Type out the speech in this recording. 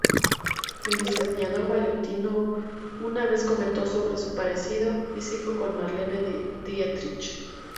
El diseñador Valentino una vez comentó sobre su parecido físico con Marlene Dietrich.